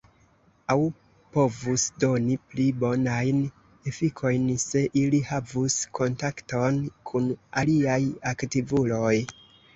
Aŭ povus doni pli bonajn efikojn, se ili havus kontakton kun aliaj aktivuloj.